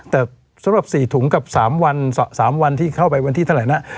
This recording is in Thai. แต่สำหรับ๔ถุงกับ๓วันที่เข้าไปวันที่เท่าไหร่นะ